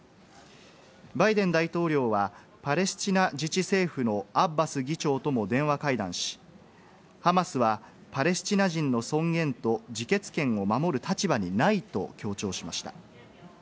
バイデン大統領は、パレスチナ自治政府のアッバス議長とも電話会談し、ハマスは、パレスチナ人の尊厳と自決権を守る立場にないと強調しました。